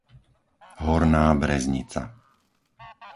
Horná Breznica